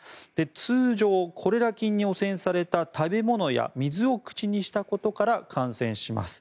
通常、コレラ菌に汚染された食べ物や水を口にしたことから感染します。